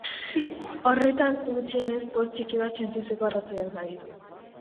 Horretan, gutxienez, poz txiki bat sentitzeko arrazoiak baditu.